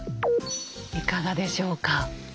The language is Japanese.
いかがでしょうか？